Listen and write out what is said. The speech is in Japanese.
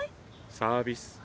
サービス。